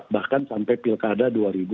bahkan sampai pilkada dua ribu dua puluh